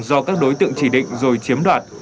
do các đối tượng chỉ định rồi chiếm đoạt